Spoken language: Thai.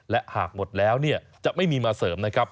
และหากหมดแล้วจะไม่มีมาเสริมนะครับ